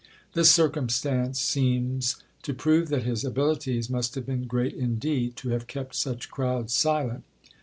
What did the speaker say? This circumstance seems to prove that his abilities must have been great indeed, to have kept such crowds silent.